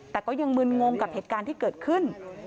แต่ก็ยังมึนงงกับเหตุการณ์ที่เกิดขึ้น